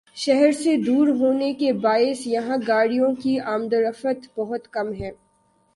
شہر سے دور ہونے کے باعث یہاں گاڑیوں کی آمدورفت بہت کم ہے